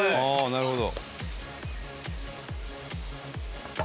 なるほど。